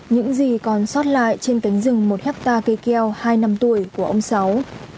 những gì còn sót lại trên cánh rừng một hectare cây keo hai năm tuổi của ông sáu